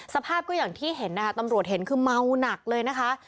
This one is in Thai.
สภาพก็อย่างที่เห็นนะคะตำรวจเห็นคือเมาหนักเลยนะคะ